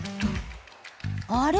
あれ？